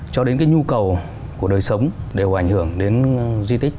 cho đến cái nhu cầu của đời sống đều ảnh hưởng đến di tích